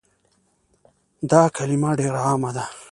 دا کلمه ډيره عامه ده